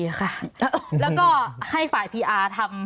แล้วก็ให้ฝ่ายพีอาร์ทำ